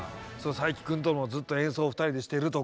佐伯君とのずっと演奏を２人でしてるとか。